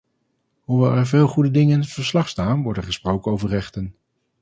Hoewel er veel goede dingen in het verslag staan, wordt er gesproken over rechten.